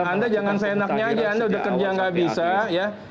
anda jangan seenaknya aja